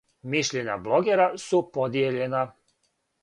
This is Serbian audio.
Мишљења блогера су подијељена.